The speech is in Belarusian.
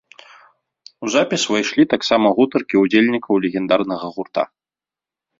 У запіс увайшлі таксама гутаркі ўдзельнікаў легендарнага гурта.